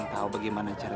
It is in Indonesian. sekarang lo pernah lihat gak